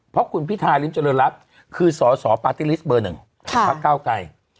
เพราะคุณพิธาริมเจริญรัฐคือสสปาร์ตี้ลิสต์เบอร์๑พักเก้าไกร